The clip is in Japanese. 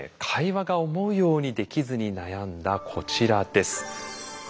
会話が思うようにできずに悩んだこちらです。